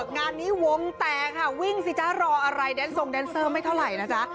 งานนี้วงแตกค่ะวิ่งสิจ๊ะรออะไรแดนทรงแดนเซอร์ไม่เท่าไหร่นะจ๊ะ